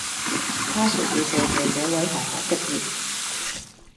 他說要謝謝這位同學的熱